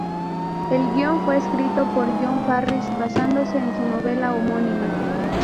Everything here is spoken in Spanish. El guión fue escrito por John Farris basándose en su novela homónima.